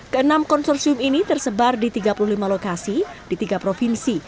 keenam konsorsium ini tersebar di tiga puluh lima lokasi di tiga provinsi